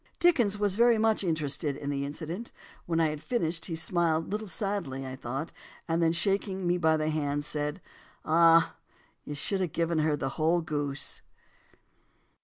"Dickens was very much interested in the incident. When I had finished, he smiled a little sadly, I thought, and then, shaking me by the hand, he said, 'Ah! you ought to have given her the whole goose.'"